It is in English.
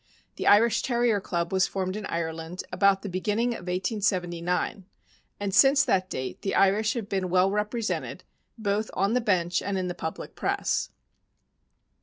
The Irish Terrier Club was formed in Ireland about the beginning of 1879, and since that date the Irish have been well represented, both on the bench and in the public press.